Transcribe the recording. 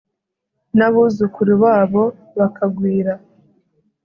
n'abuzukuru babo bakagwira